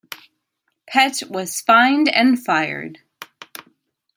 Pett was fined and fired.